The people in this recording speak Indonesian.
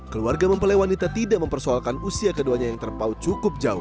keluarga mempelai wanita tidak mempersoalkan usia keduanya yang terpaut cukup jauh